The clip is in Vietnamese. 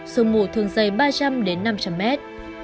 sông mù thường dày ba trăm linh năm trăm linh mét